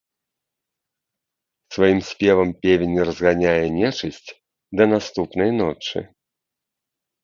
Сваім спевам певень разганяе нечысць да наступнай ночы.